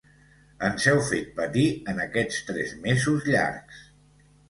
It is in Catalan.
Ens heu fet patir en aquests tres mesos llargs.